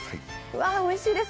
わぁ、おいしいです！